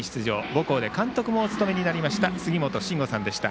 母校で監督もお務めになられました杉本真吾さんでした。